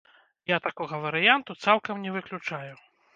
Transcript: Я такога варыянту цалкам не выключаю.